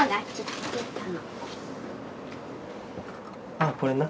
あっこれな。